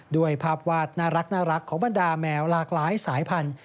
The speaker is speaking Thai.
ด้วยภาพวาดน่ารักของบรรดาแมวหลากหลายสายพันธุ